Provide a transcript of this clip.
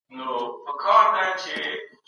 پانګه د کار د بوختيا د زياتېدو لپاره کارول کېږي.